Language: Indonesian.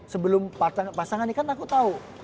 sebelum pasangan ini kan aku tau